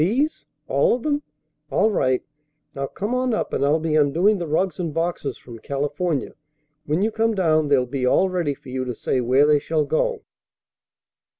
These? All of them? All right. Now come on up, and I'll be undoing the rugs and boxes from California. When you come down, they'll be all ready for you to say where they shall go."